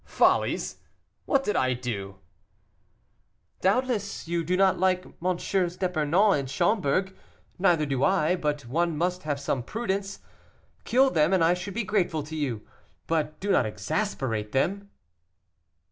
"Follies! what did I do?" "Doubtless, you do not like MM. d'Epernon and Schomberg, neither do I, but one must have some prudence. Kill them, and I should be grateful to you, but do not exasperate them."